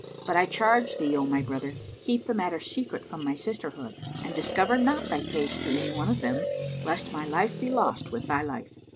But I charge thee, O my brother, keep the matter secret from my sisterhood and discover not thy case to any one of them, lest my life be lost with thy life.